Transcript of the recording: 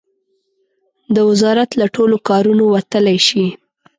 د وزارت له ټولو کارونو وتلای شي.